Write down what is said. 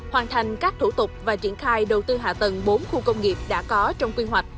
hoàn thành các thủ tục và triển khai đầu tư hạ tầng bốn khu công nghiệp đã có trong quy hoạch